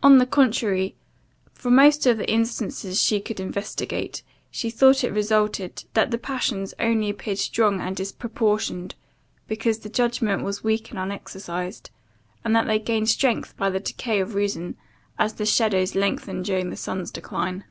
On the contrary, from most of the instances she could investigate, she thought it resulted, that the passions only appeared strong and disproportioned, because the judgment was weak and unexercised; and that they gained strength by the decay of reason, as the shadows lengthen during the sun's decline.